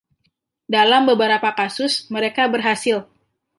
Dalam beberapa kasus, mereka berhasil!